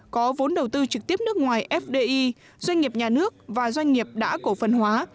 có vốn đầu tư trực tiếp nước ngoài fdi doanh nghiệp nhà nước và doanh nghiệp đã cổ phần hóa